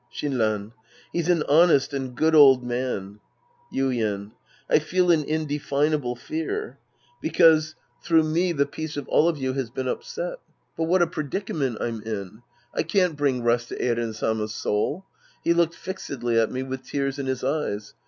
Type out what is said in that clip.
Shinran. He's an honest and good old man. Yuien. I feel an indefinable fear. Because through 206 The Priest and His Disciples Act V me the peace of all of you has been upset. But what a predicament I'm in. I can't bring rest to Eiren Sama's soul. He looked fixedly at me with tears in his eyes.